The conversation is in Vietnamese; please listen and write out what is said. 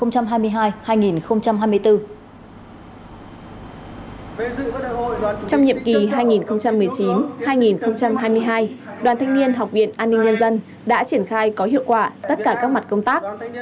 trong nhiệm kỳ hai nghìn một mươi chín hai nghìn hai mươi hai đoàn thanh niên học viện an ninh nhân dân đã triển khai có hiệu quả tất cả các mặt công tác